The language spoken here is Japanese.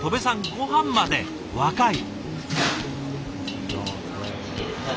ごはんまで若い。